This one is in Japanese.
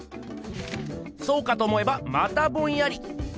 そうかと思えばまたボンヤリ。